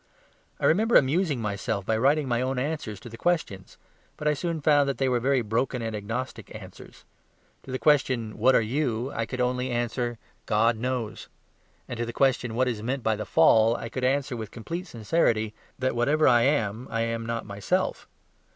I remember amusing myself by writing my own answers to the questions; but I soon found that they were very broken and agnostic answers. To the question, "What are you?" I could only answer, "God knows." And to the question, "What is meant by the Fall?" I could answer with complete sincerity, "That whatever I am, I am not myself."